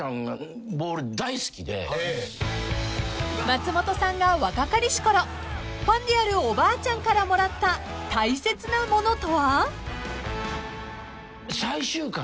［松本さんが若かりしころファンであるおばあちゃんからもらった大切なものとは？］